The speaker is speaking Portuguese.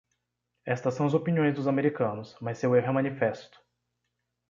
Estas são as opiniões dos americanos; mas seu erro é manifesto.